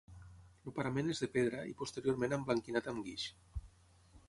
El parament és de pedra i posteriorment emblanquinat amb guix.